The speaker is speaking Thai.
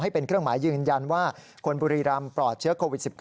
เป็นเครื่องหมายยืนยันว่าคนบุรีรำปลอดเชื้อโควิด๑๙